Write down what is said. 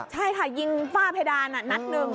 ใช่ค่ะยิงฝ้าเพดานนัดหนึ่ง